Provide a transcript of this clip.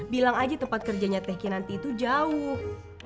bilang aja tempat kerjanya teh kinanti itu jauh